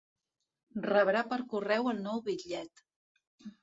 Rebrà per correu el nou bitllet.